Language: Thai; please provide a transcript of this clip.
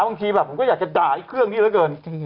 บางทีแบบผมก็อยากจะด่าอีกเครื่องนี้เหลือเกิน